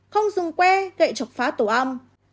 không dùng que gậy chọc phá tổ ong